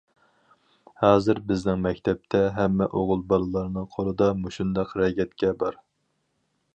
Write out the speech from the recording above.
ھازىر بىزنىڭ مەكتەپتە ھەممە ئوغۇل بالىلارنىڭ قولىدا مۇشۇنداق رەگەتكە بار.